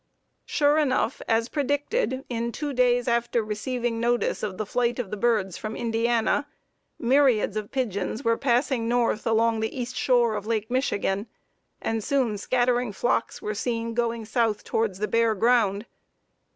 Sure enough, as predicted, in two days after receiving notice of the flight of the birds from Indiana, myriads of pigeons were passing north along the east shore of Lake Michigan, and soon scattering flocks were seen going south towards the bare ground.